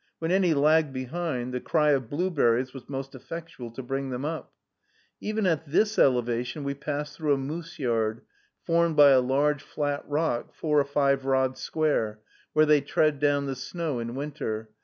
When any lagged behind, the cry of "blueberries" was most effectual to bring them up. Even at this elevation we passed through a moose yard, formed by a large flat rock, four or five rods square, where they tread down the snow in winter.